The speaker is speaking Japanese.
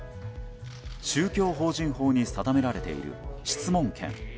宗教法人法に定められている質問権。